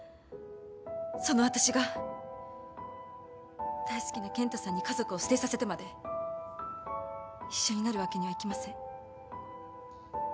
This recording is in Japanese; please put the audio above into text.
その私が大好きな健太さんに家族を捨てさせてまで一緒になるわけにはいきません。